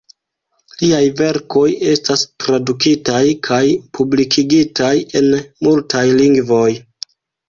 Liaj verkoj estas tradukitaj kaj publikigitaj en multaj lingvoj.